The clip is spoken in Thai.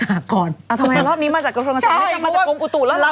ทำไมรอบนี้มาจากกระทรวงเกษตรแล้วก็มาจากกรมอุตุรแล้วกัน